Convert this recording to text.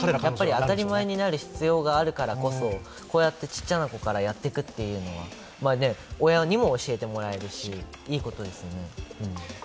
当たり前になる必要になるからこそこうやってちっちゃな子からやっていくというのは親にも教えてもらえるしいいことですよね。